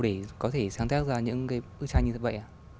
để có thể sáng tác ra những bức tranh như vậy